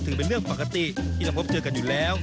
เป็นเรื่องปกติที่เราพบเจอกันอยู่แล้ว